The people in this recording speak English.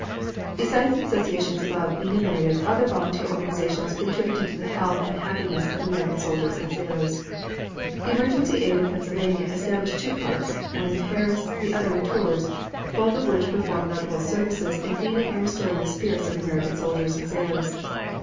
Besides the associations above enumerated, other volunteer organizations contributed to the health and happiness of American soldiers and sailors. The Emergency Aid of Pennsylvania established two clubs, one in Paris, the other in Tours, both of which performed notable services in feeding and restoring the spirits of American soldiers and sailors.